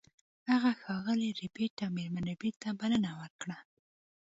هغه ښاغلي ربیټ او میرمن ربیټ ته بلنه ورکړه